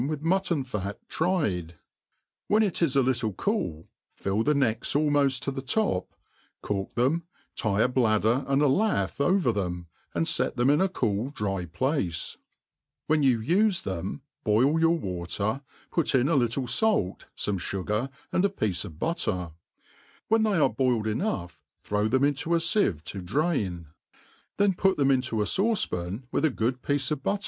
with mutton fat tried ; when it is a litde cool, fill the seeks almoft to the top, cork them, tie a bladdor and a bth over them, and Tet them in' a cool dry place; When you ufe them boil your water, put in a little ialr^ fbme fugar, and a piece of butter } when they are boiled enough, throw them iato a iieve to drain ; then put them into a fauce pao with a good piece of but*?